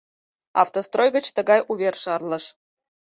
Автострой гыч тыгай увер шарлыш: